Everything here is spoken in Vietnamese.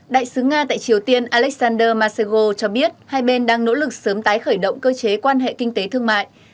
đại sứ nga tại triều tiên alexander masego cho biết hai bên đang nỗ lực sớm tái khởi động cơ chế quan hệ kinh tế thương mại